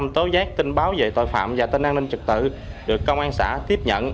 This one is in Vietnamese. một trăm linh tố giác tin báo về tội phạm và tên an ninh trực tự được công an xã tiếp nhận